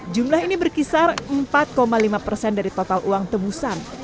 jumlah ini berkisar empat lima persen dari total uang tebusan